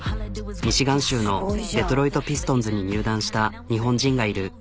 ミシガン州のデトロイト・ピストンズに入団した日本人がいる。